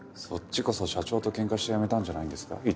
そっちこそ社長と喧嘩して辞めたんじゃないんですか？